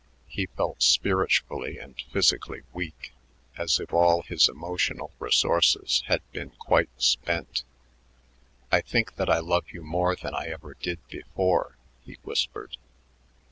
He felt spiritually and physically weak, as if all his emotional resources had been quite spent. "I think that I love you more than I ever did before," he whispered.